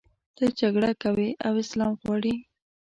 ته جګړه کوې او اسلام غواړې.